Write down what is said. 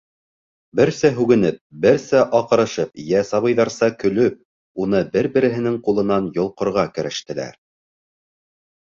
Берсә һүгенеп, берсә аҡырышып, йә сабыйҙарса көлөп, уны бер-береһенең ҡулынан йолҡорға керештеләр.